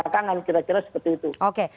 kira kira seperti itu